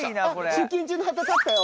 出勤中の旗立ったよ。